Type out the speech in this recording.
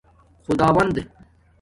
خُداوند